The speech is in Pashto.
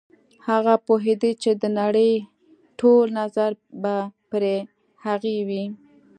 هغه پوهېده چې د نړۍ ټول نظر به پر هغې وي.